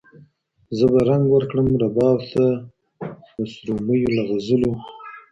زه به رنګ ورکړم رباب ته د سرومیو له غزلو